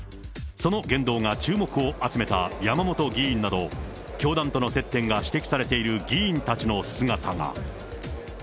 その言動が注目を集めた山本議員など、教団との接点が指摘されている議員たちの姿が。